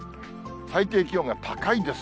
最低気温が高いんです。